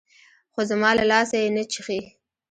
خو زما له لاسه يې نه چښي.